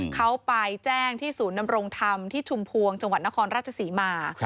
เขาไปแจ้งที่ศูนย์นำรงธรรมที่ชุมพวงจังหวัดนครราชศรีมา